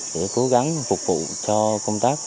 để cố gắng phục vụ cho công tác